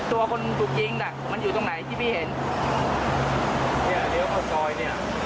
ตัวคนถูกยิงน่ะมันอยู่ตรงไหนที่พี่เห็นเนี่ยเลี้ยวเข้าซอยเนี่ย